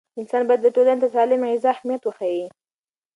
انسان باید ټولنې ته د سالمې غذا اهمیت وښيي.